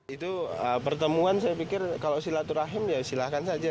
itu pertemuan saya pikir kalau silaturahim ya silahkan saja